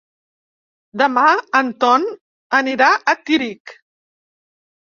Demà en Ton anirà a Tírig.